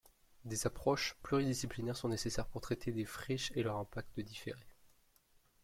Des approches pluridisciplinaires sont nécessaires pour traiter des friches et de leurs impacts différés.